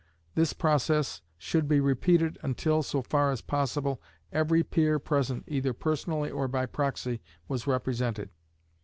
This process should be repeated until (so far as possible) every peer present either personally or by proxy was represented.